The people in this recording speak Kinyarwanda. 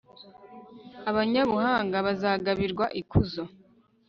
abanyabuhanga bazagabirwa ikuzo,